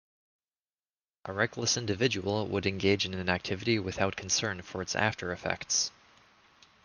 A reckless individual would engage in an activity without concern for its after-effects.